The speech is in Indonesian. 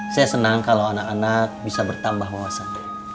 saya senang kalau anak anak bisa bertambah wawasan